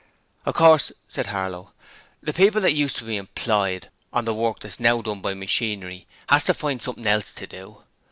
'Of course,' said Harlow, 'the people what used to be employed on the work what's now done by machinery, has to find something else to do.